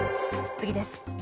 次です。